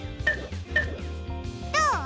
どう？